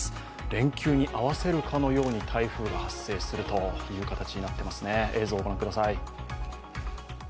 連休に合わせるかのように台風が発生するという形になっていますね。